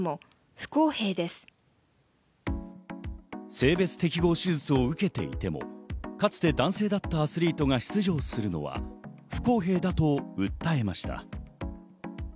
性別適合手術を受けていても、かつて男性だったアスリートが出場するのは不公平だと訴えました。